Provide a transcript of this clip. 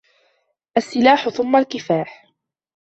السلاح ثم الكفاح